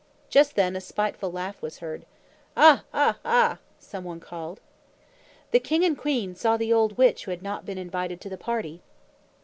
Just then a spiteful laugh was heard. "Ah, ah, ah!" some one called. The king and queen saw the old witch who had not been invited to the party.